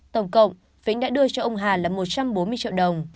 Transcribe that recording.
tổng cộng vĩnh đã đưa cho ông hà là một trăm bốn mươi triệu đồng